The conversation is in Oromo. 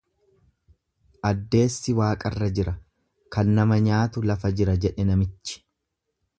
Addeessi waaqarra jira, kan nama nyaatu lafa jira jedhe namichi.